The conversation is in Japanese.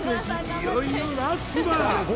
いよいよラストだ！